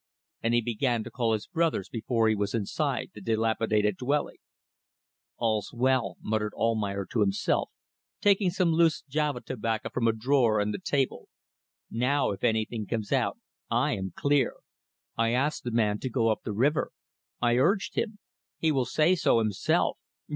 And he began to call his brothers before he was inside the dilapidated dwelling. "All's well!" muttered Almayer to himself, taking some loose Java tobacco from a drawer in the table. "Now if anything comes out I am clear. I asked the man to go up the river. I urged him. He will say so himself.